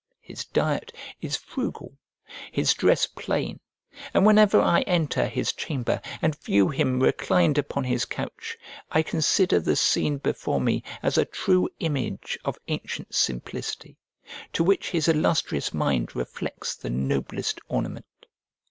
His diet is frugal, his dress plain; and whenever I enter his chamber, and view him reclined upon his couch, I consider the scene before me as a true image of ancient simplicity, to which his illustrious mind reflects the noblest ornament.